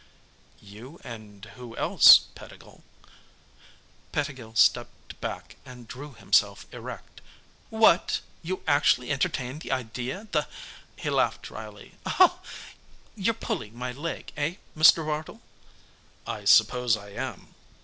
"You and who else, Pettigill?" Pettigill stepped back and drew himself erect. "What? You actually entertain the idea th " He laughed dryly. "Oh, you're pulling my leg, eh, Mr. Bartle." "I suppose I am."